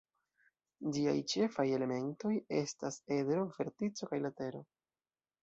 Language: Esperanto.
Ĝiaj ĉefaj elementoj estas: edro, vertico kaj latero.